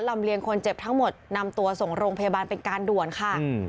เลียงคนเจ็บทั้งหมดนำตัวส่งโรงพยาบาลเป็นการด่วนค่ะ